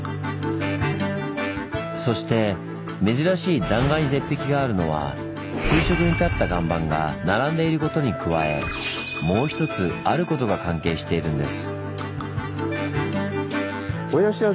そして珍しい断崖絶壁があるのは垂直に立った岩盤が並んでいることに加えもうひとつあることが関係しているんです。